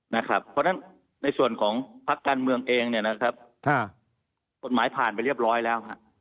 เพราะฉะนั้นในส่วนของพักการเมืองเองกฎหมายผ่านไปเรียบร้อยแล้ว